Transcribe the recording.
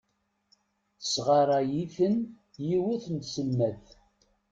Tesɣaray-iten yiwet n tselmadt.